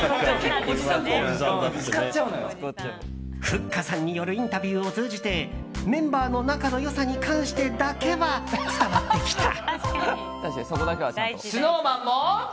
ふっかさんによるインタビューを通じてメンバーの仲の良さに関してだけは伝わってきた。